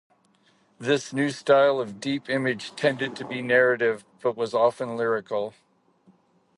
This new style of Deep Image tended to be narrative, but was often lyrical.